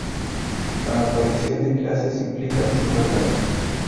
La aparición de clases implica desigualdad.